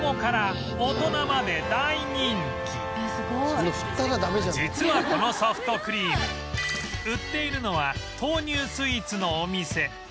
その実はこのソフトクリーム売っているのは豆乳スイーツのお店